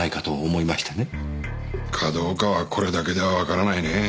かどうかはこれだけではわからないね。